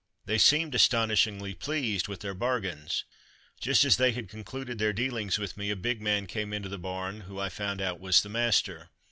They seemed astonishingly pleased with their bargains. Just as they had concluded their dealings with me a big man came into the barn, who I found out was the master.